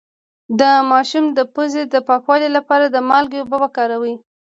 د ماشوم د پوزې د پاکوالي لپاره د مالګې اوبه وکاروئ